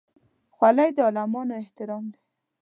خولۍ د عالمانو احترام دی.